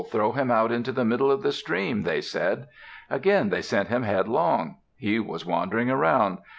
Throw him out into the middle of the stream," they said. Again they sent him headlong. He was wandering around.